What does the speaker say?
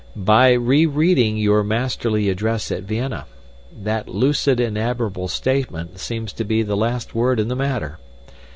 "by re reading your masterly address at Vienna. That lucid and admirable statement seems to be the last word in the matter.